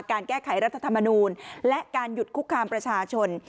การแก้ไขรัฐธรรมนูลและการหยุดคุกคามประชาชน